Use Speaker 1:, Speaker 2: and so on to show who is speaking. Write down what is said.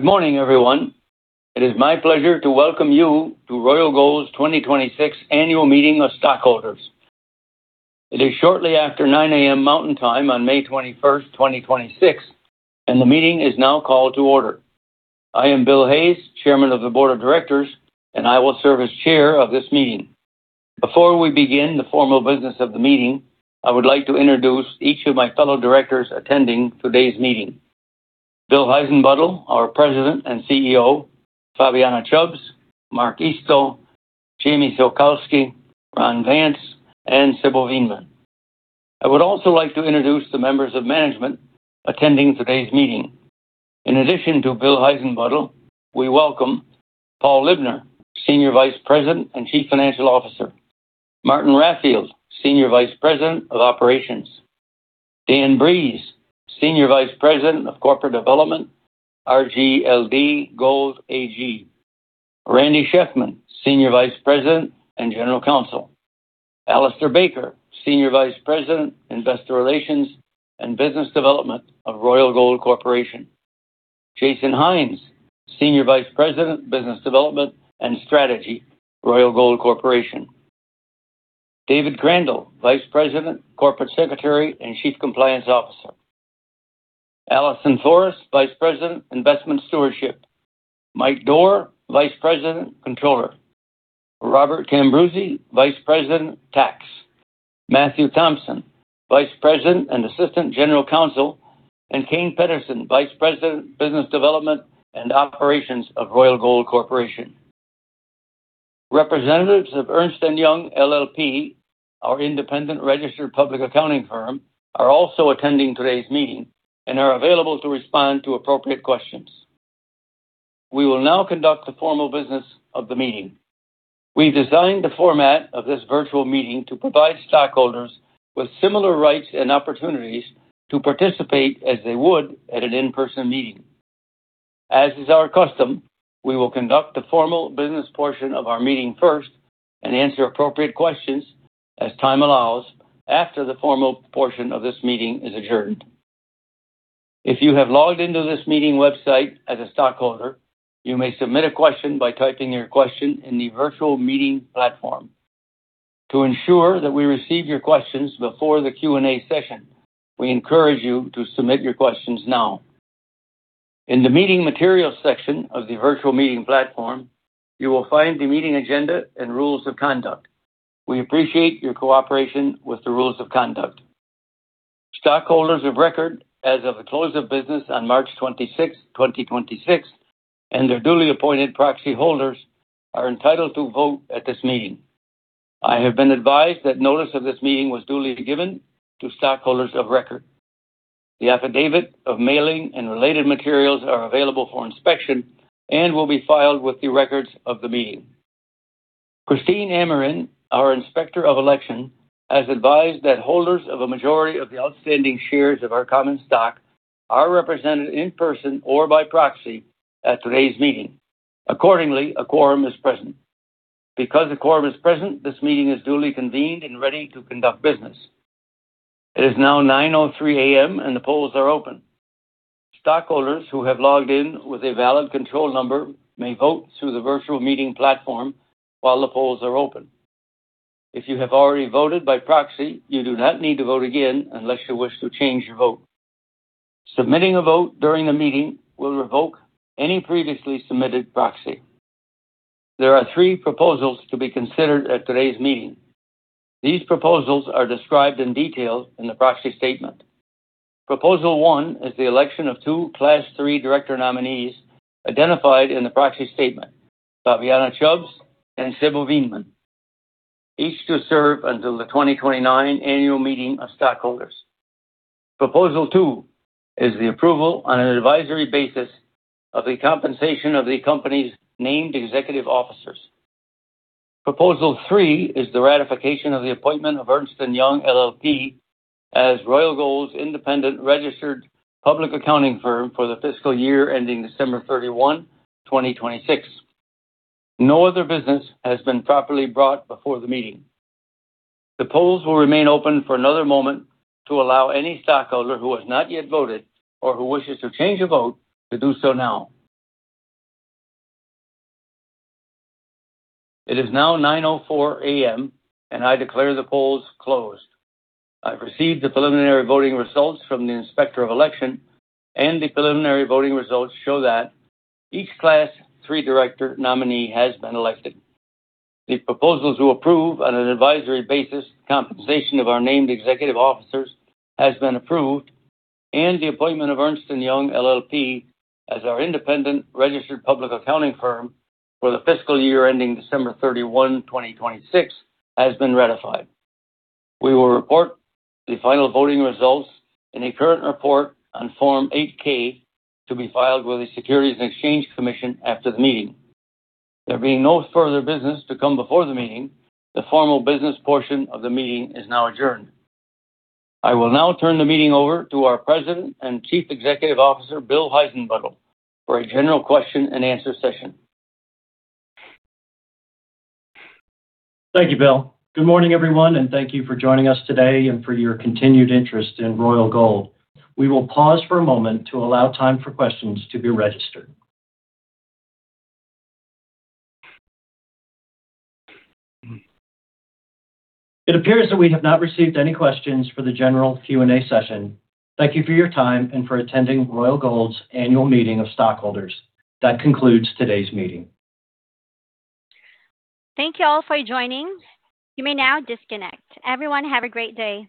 Speaker 1: Good morning, everyone. It is my pleasure to welcome you to Royal Gold's 2026 Annual Meeting of Stockholders. It is shortly after 9:00 A.M. Mountain Time on May 21, 2026, and the meeting is now called to order. I am William M. Hayes, Chairman of the Board of Directors, and I will serve as Chair of this meeting. Before we begin the formal business of the meeting, I would like to introduce each of my fellow directors attending today's meeting, William H. Heissenbuttel, our President and CEO, Fabiana Chubbs, Mark E. Isto, Jamie Sokalsky, Ronald J. Vance, and Sybil E. Veenman. I would also like to introduce the members of management attending today's meeting. In addition to Bill Heissenbuttel, we welcome: Paul Libner, Senior Vice President and Chief Financial Officer, Martin Raffield, Senior Vice President of Operations, Dan Breeze, Senior Vice President of Corporate Development, RGLD Gold AG, Randy Shefman, Senior Vice President and General Counsel, Alistair Baker, Senior Vice President, Investor Relations and Business Development of Royal Gold Corporation, Jason Hynes, Senior Vice President, Business Development and Strategy, Royal Gold Corporation, David R. Crandall, Vice President, Corporate Secretary and Chief Compliance Officer, Allison Forrest, Vice President, Investment Stewardship, Mike Doerr, Vice President, Controller, Robert Cambruzzi, Vice President, Tax, Matthew Thompson, Vice President and Assistant General Counsel, and Kain Petterson, Vice President, Business Development and Operations of Royal Gold Corporation. Representatives of Ernst & Young LLP, our independent registered public accounting firm, are also attending today's meeting and are available to respond to appropriate questions. We will now conduct the formal business of the meeting. We've designed the format of this virtual meeting to provide stockholders with similar rights and opportunities to participate as they would at an in-person meeting. As is our custom, we will conduct the formal business portion of our meeting first and answer appropriate questions as time allows after the formal portion of this meeting is adjourned. If you have logged into this meeting website as a stockholder, you may submit a question by typing your question in the virtual meeting platform. To ensure that we receive your questions before the Q&A session, we encourage you to submit your questions now. In the meeting materials section of the virtual meeting platform, you will find the meeting agenda and rules of conduct. We appreciate your cooperation with the rules of conduct. Stockholders of record as of the close of business on March 26, 2026, and their duly appointed proxy holders are entitled to vote at this meeting. I have been advised that notice of this meeting was duly given to stockholders of record. The affidavit of mailing and related materials are available for inspection and will be filed with the records of the meeting. Christine Amrhein, our Inspector of Election, has advised that holders of a majority of the outstanding shares of our common stock are represented in person or by proxy at today's meeting. Accordingly, a quorum is present. Because the quorum is present, this meeting is duly convened and ready to conduct business. It is now 9:03 A.M. and the polls are open. Stockholders who have logged in with a valid control number may vote through the virtual meeting platform while the polls are open. If you have already voted by proxy, you do not need to vote again unless you wish to change your vote. Submitting a vote during the meeting will revoke any previously submitted proxy. There are three proposals to be considered at today's meeting. These proposals are described in detail in the proxy statement. Proposal one is the election of two Class III director nominees identified in the proxy statement: Fabiana Chubbs and Sybil E. Veenman, each to serve until the 2029 annual meeting of stockholders. Proposal two is the approval on an advisory basis of the compensation of the company's named executive officers. Proposal three is the ratification of the appointment of Ernst & Young LLP as Royal Gold's independent registered public accounting firm for the fiscal year ending December 31, 2026. No other business has been properly brought before the meeting. The polls will remain open for another moment to allow any stockholder who has not yet voted or who wishes to change a vote to do so now. It is now 9:04 A.M. I declare the polls closed. I've received the preliminary voting results from the Inspector of Election. The preliminary voting results show that each Class III director nominee has been elected. The proposals to approve on an advisory basis the compensation of our named executive officers has been approved. The appointment of Ernst & Young LLP as our independent registered public accounting firm for the fiscal year ending December 31, 2026, has been ratified. We will report the final voting results in a current report on Form 8-K to be filed with the Securities and Exchange Commission after the meeting. There being no further business to come before the meeting, the formal business portion of the meeting is now adjourned. I will now turn the meeting over to our President and Chief Executive Officer William H. Heissenbuttel for a general question and answer session.
Speaker 2: Thank you, Bill. Good morning, everyone, and thank you for joining us today and for your continued interest in Royal Gold. We will pause for a moment to allow time for questions to be registered. It appears that we have not received any questions for the general Q&A session. Thank you for your time and for attending Royal Gold's Annual Meeting of Stockholders. That concludes today's meeting.
Speaker 3: Thank you all for joining. You may now disconnect. Everyone, have a great day.